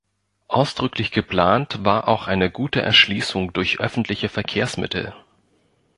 Ausdrücklich geplant war auch eine gute Erschließung durch öffentliche Verkehrsmittel.